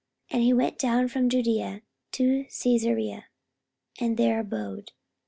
And he went down from Judaea to Caesarea, and there abode.